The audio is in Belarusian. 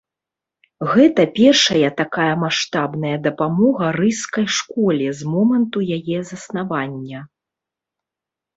Гэта першая такая маштабная дапамога рыжскай школе з моманту яе заснавання.